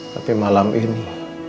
tapi malam ini